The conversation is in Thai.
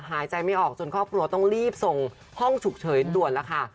หายใจไม่ออกจนครอบครัวต้องรีบส่งห้องฉุกเฉินด่วนแล้วค่ะ